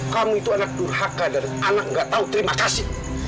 kamu itu anak durhaka dan anak gak tahu terima kasih